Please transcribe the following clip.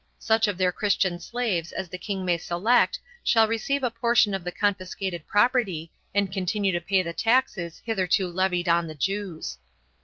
Such of their Christian slaves as the king may select shall receive a portion of the confiscated property and continue to pay the taxes hitherto levied on the Jews.